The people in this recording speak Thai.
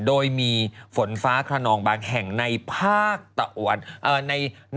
โดยมีฝนฟ้าขนองบางแห่งในภาคตะวัน